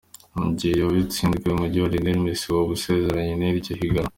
Mu gihe yoba itsinzwe, umugwi wa Lionel Messi woba usezeranye n'iryo higanwa.